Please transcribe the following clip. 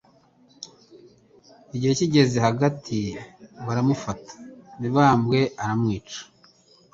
Igihe kigeze hagati baramufata Mibambwe I aramwica